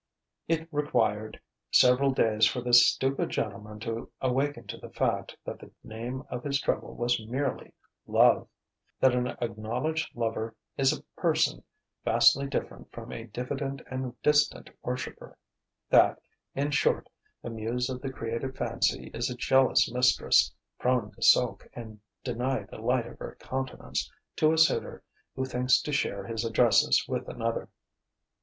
It required several days for this stupid gentleman to awaken to the fact that the name of his trouble was merely love; that an acknowledged lover is a person vastly different from a diffident and distant worshipper; that, in short, the muse of the creative fancy is a jealous mistress, prone to sulk and deny the light of her countenance to a suitor who thinks to share his addresses with another.